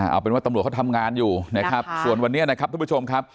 เอาเป็นว่าตำรวจเขาทำงานอยู่นะครับส่วนวันนี้นะครับทุกผู้ชมครับ